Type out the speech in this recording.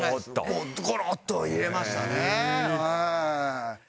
ゴロッと入れましたね。